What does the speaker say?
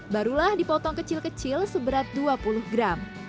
barulah dipotong kecil kecil seberat dua puluh gram